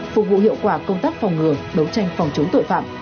phục vụ hiệu quả công tác phòng ngừa đấu tranh phòng chống tội phạm